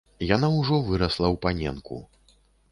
Яна ўжо вырасла ў паненку.